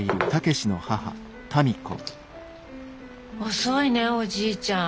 遅いねおじいちゃん。